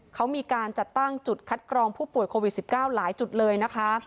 เขามีการจัดตั้งจุดคัดกรองผู้ป่วยโควิด๑๙หลายจุดเลยนะคะ